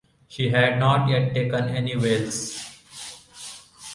She had not yet taken any whales.